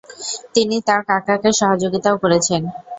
তিনি তার কাকাকে সহযোগিতাও করেছেন ।